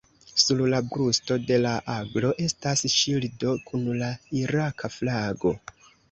Sur la brusto de la aglo estas ŝildo kun la iraka flago.